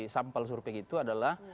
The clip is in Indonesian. sampel surpi itu adalah